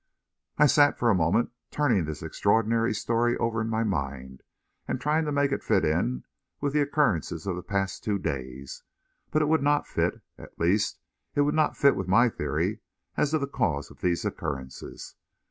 I sat for a moment turning this extraordinary story over in my mind, and trying to make it fit in with the occurrences of the past two days. But it would not fit at least, it would not fit with my theory as to the cause of those occurrences.